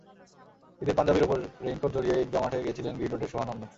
ঈদের পাঞ্জাবির ওপর রেইনকোট জড়িয়ে ঈদগাহ মাঠে গিয়েছিলেন গ্রিন রোডের সোহান আহম্মেদ।